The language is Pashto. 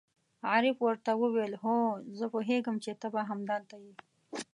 عارف ور ته وویل: هو، زه پوهېدم چې ته به همدلته یې.